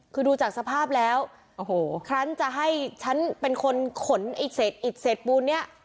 คือดูจากสภาพแล้วโอ้โหครั้นจะให้ฉันเป็นคนขนไอ้เศษอิดเศษปูนเนี่ย